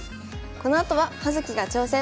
このあとは「葉月が挑戦！」。